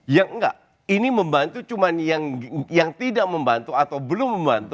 yang enggak ini membantu cuma yang tidak membantu atau belum membantu